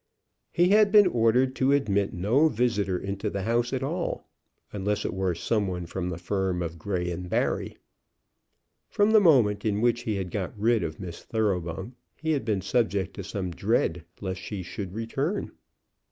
He had been ordered to admit no visitor into the house at all, unless it were some one from the firm of Grey & Barry. From the moment in which he had got rid of Miss Thoroughbung he had been subject to some dread lest she should return.